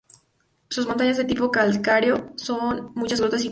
Son montañas de tipo calcáreo con muchas grutas y cuevas.